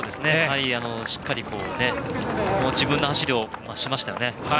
しっかりと自分の走りをしましたね。